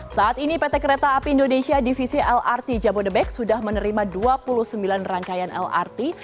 saat ini pt kereta api indonesia divisi lrt jabodebek sudah menerima dua puluh sembilan rangkaian lrt